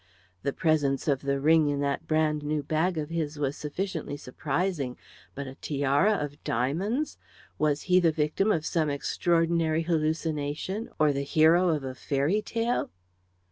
The presence of a ring in that brand new bag of his was sufficiently surprising but a tiara of diamonds! Was he the victim of some extraordinary hallucination, or the hero of a fairy tale?